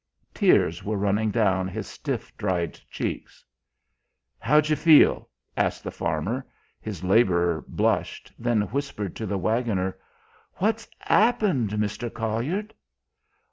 Tears were running down his stiff, dried cheeks. "How d'you feel?" asked the farmer. His labourer blushed, then whispered to the waggoner: "What's 'appened, Mister Collard?"